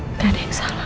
tidak ada yang salah